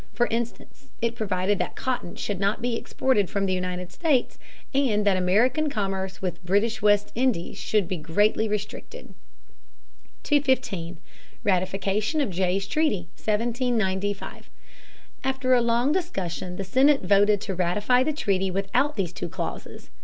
For instance, it provided that cotton should not be exported from the United States, and that American commerce with the British West Indies should be greatly restricted. [Sidenote: Contest over ratification of Jay's Treaty, 1795.] 215. Ratification of Jay's Treaty, 1795. After a long discussion the Senate voted to ratify the treaty without these two clauses.